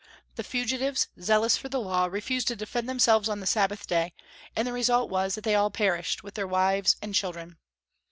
The fugitives, zealous for the Law, refused to defend themselves on the Sabbath day, and the result was that they all perished, with their wives and children.